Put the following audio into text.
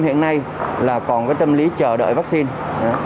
hiện nay là còn cái tâm lý chờ đợi vaccine